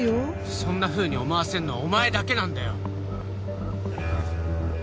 そんなふうに思わせんのはお前だけなんだよ